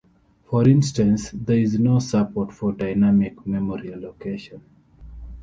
For instance, there is no support for dynamic memory allocation.